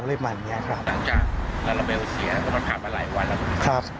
หลังจากราลเบลเสียเรามาถามมาหลายวันแล้ว